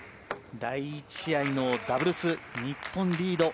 第１試合のダブルス日本リード。